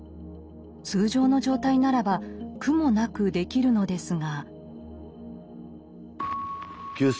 通常の状態ならば苦もなくできるのですが。